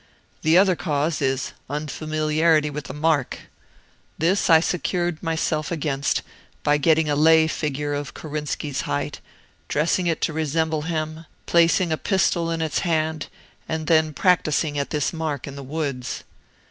The other cause is unfamiliarity with the mark. This I secured myself against by getting a lay figure of Korinski's height, dressing it to resemble him, placing a pistol in its hand, and then practising at this mark in the woods.